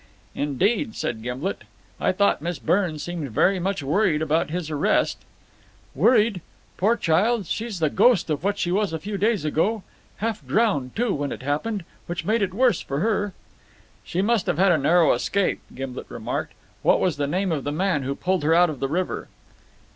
"Indeed!" said Gimblet. "I thought Miss Byrne seemed very much worried about his arrest." "Worried? Poor child, she's the ghost of what she was a few days ago. Half drowned, too, when it happened, which made it worse for her." "She must have had a narrow escape," Gimblet remarked. "What was the name of the man who pulled her out of the river?"